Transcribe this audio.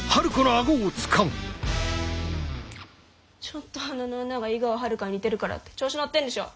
ちょっと鼻の穴が井川遥に似てるからって調子乗ってんでしょ。